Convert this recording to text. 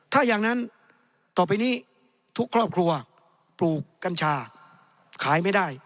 ถ้าอย่างนั้นต่อไปนี้ทุกครอบครัวปลูกกัญชาขายไม่ได้